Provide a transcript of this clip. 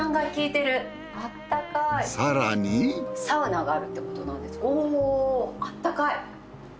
サウナがあるってことなんですがおぉあったかい。